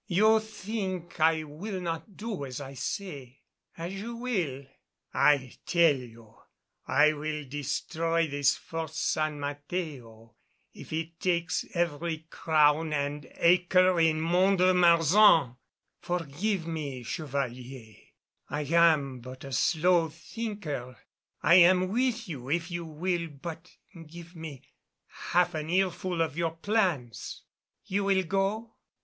You think I will not do as I say. As you will I tell you, I will destroy this Fort San Mateo if it takes every crown and acre in Mont de Marsan!" "Forgive me, Chevalier, I am but a slow thinker. I am with you if you will but give me half an earful of your plans." "You will go?"